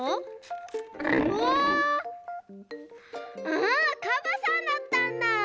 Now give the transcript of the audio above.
あカバさんだったんだ。